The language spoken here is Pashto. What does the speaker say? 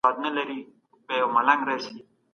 د کابل پوهنتون نوي ودانۍ د نړیوالو په مرسته جوړي سوې.